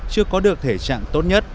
chưa có được thể trạng tốt nhất